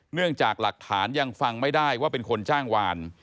เนื่องจากหลักฐานยังฟังไม่ได้ว่าเป็นคนจ้างวาน